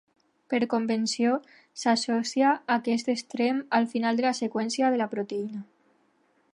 Per convenció, s'associa aquest extrem al final de la seqüència de la proteïna.